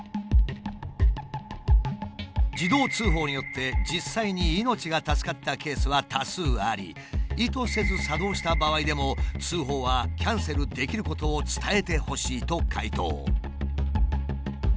自動通報によって実際に命が助かったケースは多数あり意図せず作動した場合でも通報はキャンセルできることを伝えてほしいと回答。